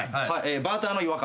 バーターの違和感。